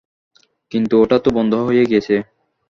কিন্তু ওটা তো বন্ধ হয়ে গেছে।